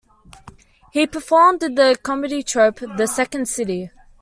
He performed with the comedy troupe The Second City.